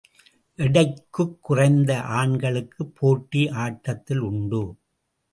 எடைக்குக் குறைந்த ஆண்களுக்கும் போட்டி ஆட்டத்தில் உண்டு.